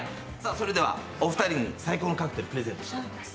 それではお二人に最高のカクテルプレゼントしたいと思います。